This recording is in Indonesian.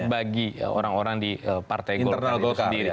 ini bagi orang orang di partai golkar sendiri